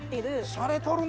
しゃれとるなぁ。